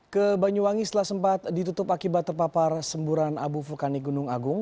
ke banyuwangi setelah sempat ditutup akibat terpapar semburan abu vulkanik gunung agung